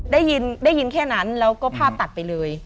ได้ยินได้ยินแค่นั้นแล้วก็ภาพตัดไปเลย